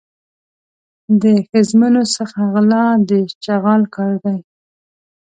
له ښځمنو څخه غلا د چغال کار دی.